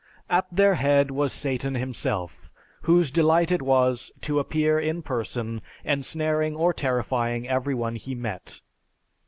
"At their head was Satan himself, whose delight it was to appear in person ensnaring or terrifying every one he met.